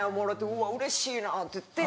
うわうれしいなっていって。